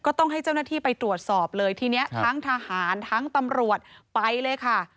ต้องให้เจ้าหน้าที่ไปตรวจสอบเลยทีนี้ทั้งทหารทั้งตำรวจไปเลยค่ะ